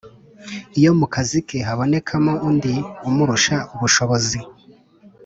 iyo mu kazi ke habonekamo undi umurusha ubushobozi,